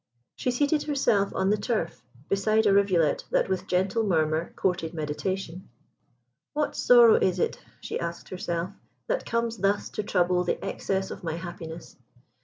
She seated herself on the turf, beside a rivulet that with gentle murmur courted meditation. "What sorrow is it," she asked herself, "that comes thus to trouble the excess of my happiness?